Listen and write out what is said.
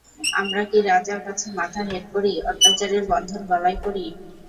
আমরা কি রাজার কাছে মাথা হেঁট করি, অত্যাচারীর বন্ধন গলায় পরি?